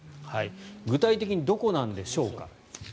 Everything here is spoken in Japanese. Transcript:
具体的にどこなんでしょうか。